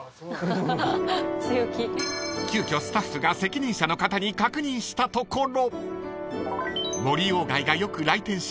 ［急きょスタッフが責任者の方に確認したところ］